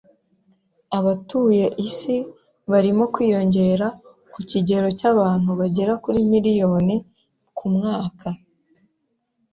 Abatuye isi barimo kwiyongera ku kigero cy’abantu bagera kuri miliyoni ku mwaka